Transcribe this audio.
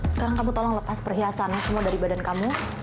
sekarang kamu tolong lepas perhiasannya semua dari badan kamu